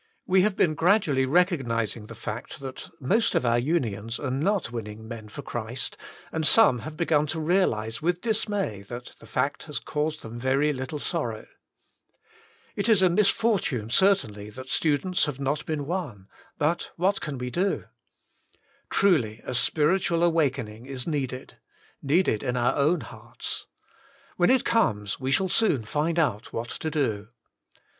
We have been gradually recognising the fact that the most of our Unions Are not Winning Men for Christ, and some have begun to realise with dismay that the fact has caused them very little sorrow. ^It is a misfortune certainly that students have not been won, but — ^what can we do?' Truly a spiritual awakening is needed; needed in our own hearts. When it comes we shall soon find out what to do.